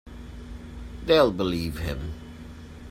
They'll believe him.